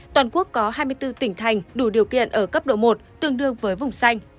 toàn quốc có hai mươi bốn tỉnh thành đủ điều kiện ở cấp độ một tương đương với vùng xanh